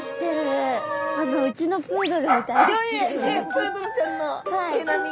プードルちゃんの毛並み。